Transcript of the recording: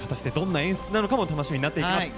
どんな演出なのかも楽しみになってきます。